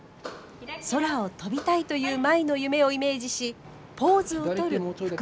空を飛びたいという舞の夢をイメージしポーズを取る福原さん。